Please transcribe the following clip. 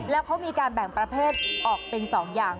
แล้วเขามีการแบ่งประเภทออกเป็น๒อย่าง